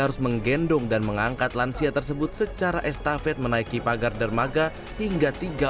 harus menggendong dan mengangkat lansia tersebut secara estafet menaiki pagar dermaga hingga